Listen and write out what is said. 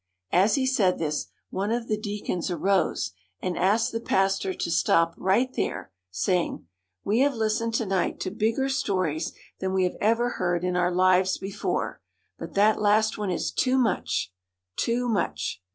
As he said this, one of the deacons arose, and asked the pastor to stop right there, The Fish Pot. saying :'* We have listened to night to bigger stories than we have ever heard in our lives before; but that last one is too much — too much!"